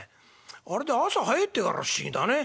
あれで朝早えっていうから不思議だね。